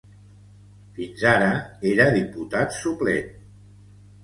Fins ara era diputat suplent.